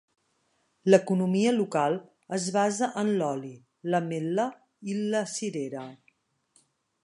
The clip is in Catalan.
L'economia local es basa en l'oli, l'ametla i la cirera.